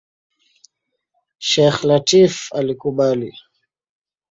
Sheikh Lateef alikubali.